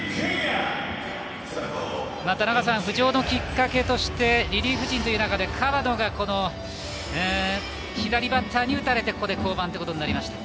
浮上のきっかけとしてリリーフ陣の中で河野が左バッターに打たれて降板ということになりました。